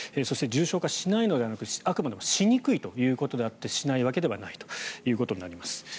そして重症化しないのではなくあくまでもしにくいということであってしないわけではないということになります。